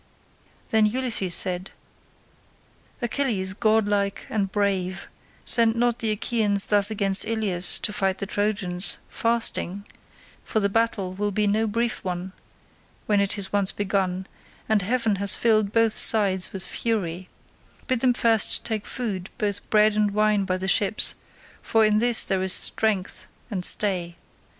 Then Ulysses said, "Achilles, godlike and brave, send not the Achaeans thus against Ilius to fight the Trojans fasting, for the battle will be no brief one, when it is once begun, and heaven has filled both sides with fury; bid them first take food both bread and wine by the ships, for in this there is strength and stay.